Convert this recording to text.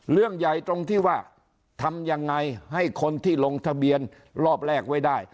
เรื่องใหญ่ตรงที่ว่าทำยังไงให้คนที่ลงทะเบียนรอบแรกไว้ได้